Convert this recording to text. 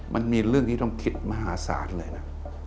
มันมีเรื่องที่ต้องคิดมหาศาลเลยนะ